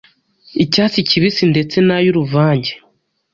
icyatsi kibisi ndetse n’ay’uruvange.